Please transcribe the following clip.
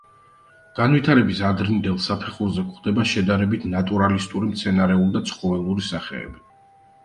განვითარების ადრინდელ საფეხურზე გვხვდება შედარებით ნატურალისტური მცენარეული და ცხოველური სახეები.